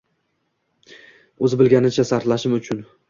O‘zi bilganicha sarflashi uchun